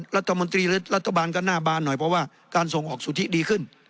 รัฐมนตรีและรัฐบาลก็หน้าบานหน่อยเพราะว่าการส่งออกสุทธิดีขึ้น